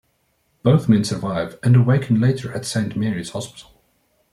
Both men survive and awaken later at Saint Mary's hospital.